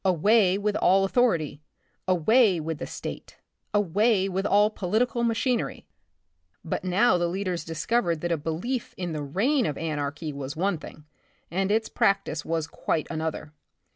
away with all authority ! away with the State ! away with all political machinery ! But now the leaders discovered that a belief in the reign of anarchy was one thing, and its practice was quite another.